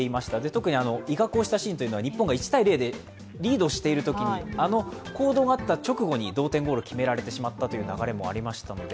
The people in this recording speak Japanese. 特に威嚇をしたシーンは日本が１−０でリードをしているときに、あの行動があった直後に同点ゴールを決められてしまったという流れもありましたので。